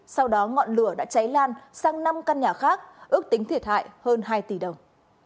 sau đó ngọn lửa đã cháy lan sang năm căn nhà khác ước tính thiệt hại hơn hai tỷ đồng